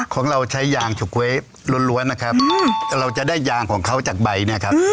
ของเราใช้ยางเฉาก๊วยล้วนนะครับเราจะได้ยางของเขาจากใบเนี่ยครับ